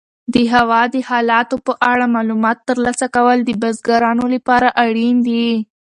د هوا د حالاتو په اړه معلومات ترلاسه کول د بزګرانو لپاره اړین دي.